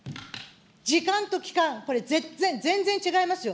時間と期間、これ全然違いますよ。